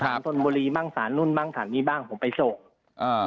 ธนบุรีบ้างสารนู่นบ้างศาลนี้บ้างผมไปส่งอ่า